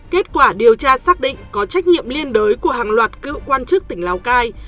kết quả điều tra xác định có trách nhiệm liên đối của hàng loạt cựu quan chức tỉnh lào cai